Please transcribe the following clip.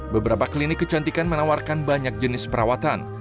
beberapa klinik kecantikan menawarkan banyak jenis perawatan